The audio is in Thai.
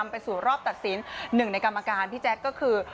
ไปสู่รอบตัดสินหนึ่งในกรรมการพี่แจ๊คก็คือ